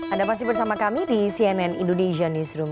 anda masih bersama kami di cnn indonesia newsroom